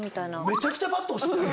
めちゃくちゃＢＡＤ押してた。